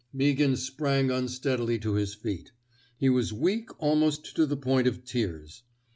Mea ghan sprang unsteadily to his feet. He was weak almost to the point of tears.